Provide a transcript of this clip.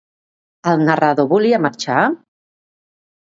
El narrador volia marxar?